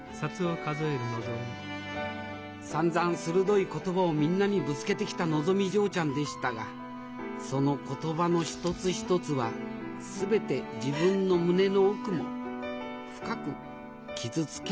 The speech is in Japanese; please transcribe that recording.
さんざん鋭い言葉をみんなにぶつけてきたのぞみ嬢ちゃんでしたがその言葉の一つ一つは全て自分の胸の奥も深く傷つけていたのでありました